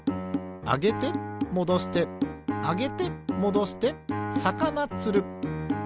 あげてもどしてあげてもどしてさかなつる。